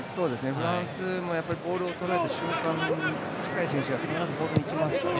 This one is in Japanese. フランスもボールを取られた瞬間、近い選手が必ずボールにいきますから。